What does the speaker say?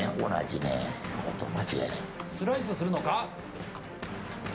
スライスするのか？